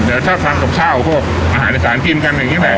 เดี๋ยวถ้าทำกับข้าวพวกอาหารอีสานกินกันอย่างนี้แหละ